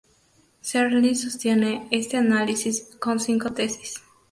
Searle sostiene este análisis con cinco tesis.